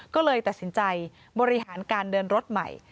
ก็เลยตัดสินใจบริหารการเดินรถใหม่